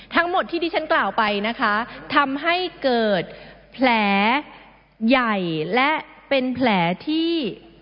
ทั้งหมดที่ดิฉันกล่าวไปนะคะทำให้เกิดแผลใหญ่และเป็นแผลที่